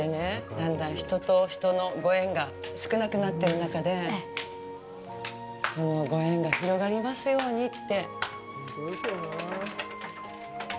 だんだん人と人のご縁が少なくなってる中でそのご縁が広がりますようにって。